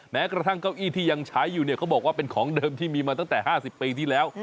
แม้กระทั่งเก้าอี้ที่ยังใช้อยู่เนี่ยเขาบอกว่าเป็นของเดิมที่มีมาตั้งแต่๕๐ปีที่แล้ว